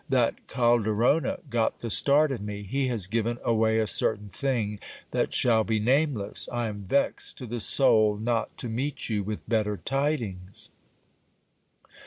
That Calderona got the start of me ; he has given away a certain thing that shall be nameless. I am vexed to the soul not to meet you with better tidings.